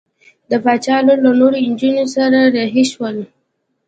د باچا لور له نورو نجونو سره رهي شول.